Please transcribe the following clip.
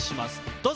どうぞ。